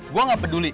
gue gak peduli